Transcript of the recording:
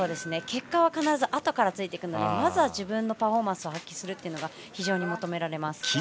結果は必ずあとからついてくるのでまずは自分のパフォーマンスを発揮することが求められます。